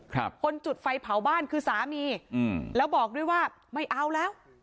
คนจุดไฟเผาบ้านคือสามีอืมแล้วบอกด้วยว่าไม่เอาแล้ว